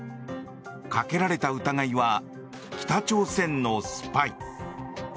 かけられた疑いは北朝鮮のスパイ。